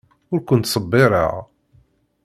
Ur ken-ttṣebbireɣ.